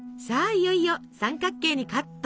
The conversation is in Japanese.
いよいよ三角形にカット。